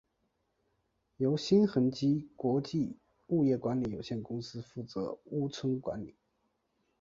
由新恒基国际物业管理有限公司负责屋邨管理。